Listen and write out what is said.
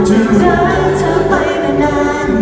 จะรักเธอไปไม่นาน